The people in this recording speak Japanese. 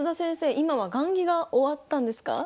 今は雁木が終わったんですか？